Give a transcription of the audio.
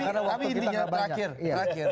karena waktu kita gak banyak